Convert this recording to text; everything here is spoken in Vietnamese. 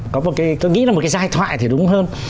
có một cái tôi nghĩ là một cái giai thoại thì đúng hơn